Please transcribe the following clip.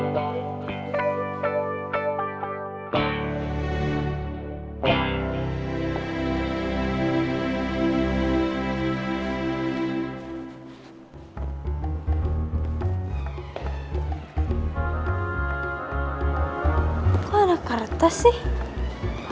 kok ada kartas sih